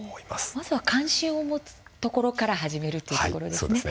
まずは関心を持つところから始めるということですね。